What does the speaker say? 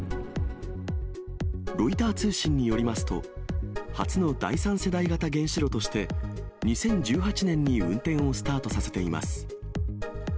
ロイター通信によりますと、初の第三世代型原子炉として、２０１８年に運転をスタートさせています。